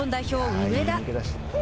上田。